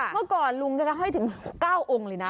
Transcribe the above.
เมื่อก่อนลุงแกก็ให้ถึง๙องค์เลยนะ